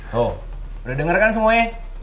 tuh udah denger kan semuanya